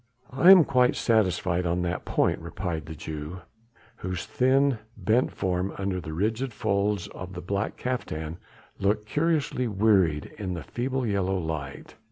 "I am quite satisfied on that point," replied the Jew, whose thin, bent form under the rigid folds of the black kaftan looked curiously weird in the feeble yellow light.